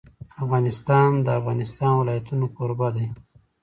افغانستان د د افغانستان ولايتونه کوربه دی.